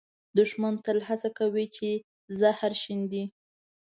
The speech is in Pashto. دښمن تل هڅه کوي چې زهر شیندي